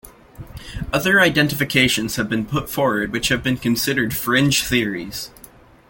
Other identifications have been put forward which have been considered fringe theories.